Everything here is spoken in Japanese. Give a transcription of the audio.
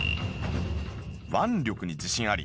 腕力に自信あり。